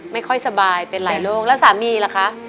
ไม่ค่อยสบายเป็นหลายโรคแล้วสามีล่ะคะ